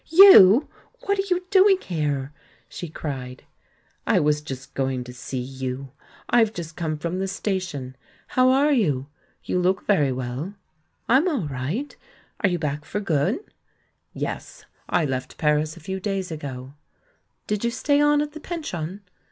"You! what are you doing here?" she cried. "I was just going to see you, I've just come from the station. How are you ? You look very well." "I'm all right. Are j^ou back for good?" "Yes, I left Paris a few days ago." "Did you stay on at the pension?"